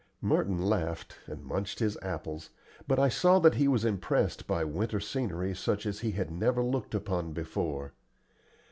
Merton laughed, and munched his apples, but I saw that he was impressed by winter scenery such as he had never looked upon before.